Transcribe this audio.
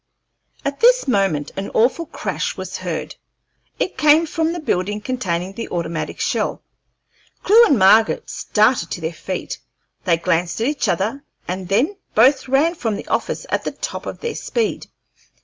At this moment an awful crash was heard. It came from the building containing the automatic shell. Clewe and Margaret started to their feet. They glanced at each other, and then both ran from the office at the top of their speed.